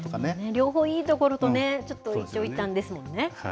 両方いいところとね、ちょっと一長一短ですもんね。